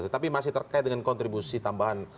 tapi masih terkait dengan kontribusi tambahan